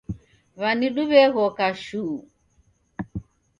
W'anidu w'eghoka shuu